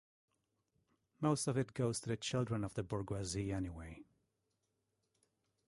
Most of it goes to the children of the bourgeoisie anyway.